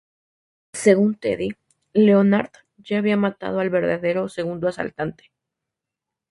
Según Teddy, Leonard ya había matado al verdadero segundo asaltante.